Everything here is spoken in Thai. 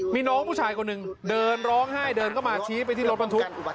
มีน้องผู้ชายคนหนึ่งเดินร้องไห้เดินเข้ามาชี้ไปที่รถบรรทุก